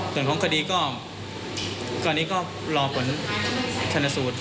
ส่วนของคดีก็ตอนนี้ก็รอผลชนสูตร